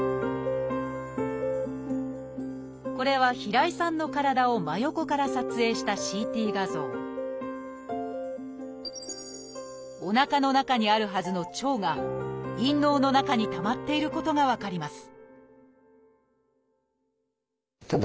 これは平井さんの体を真横から撮影したＣＴ画像おなかの中にあるはずの腸が陰嚢の中にたまっていることが分かります